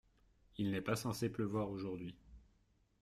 Il n’est pas censé pleuvoir aujourd’hui.